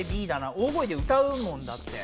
大声で歌うもんだって。